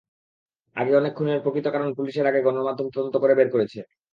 আগে অনেক খুনের প্রকৃত কারণ পুলিশের আগে গণমাধ্যম তদন্ত করে বের করেছে।